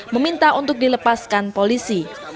meminta untuk dilepaskan polisi